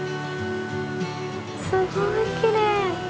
すごいきれい！